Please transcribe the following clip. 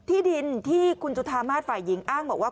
ที่ดินที่คุณจุธามาศฝ่ายหญิงอ้างบอกว่า